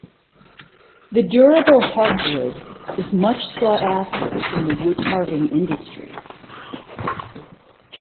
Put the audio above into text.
The durable heartwood is much sought after in the woodcarving industry.